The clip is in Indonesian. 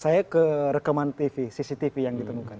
saya ke rekaman tv cctv yang ditemukan